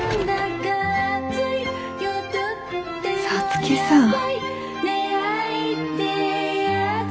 皐月さん。